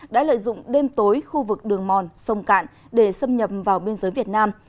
đã lợi dụng đêm tối khu vực đường mòn sông cạn để xâm nhập vào biên giới việt nam